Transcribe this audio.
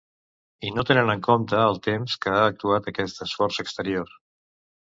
I no tenen en compte el temps que ha actuat aquest esforç exterior.